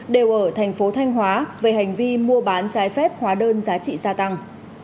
đều ở thành phố thanh hóa về hành vi mua bán trái phép hóa đơn giá trị gia tăng